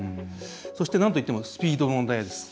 そして、なんといってもスピードの問題です。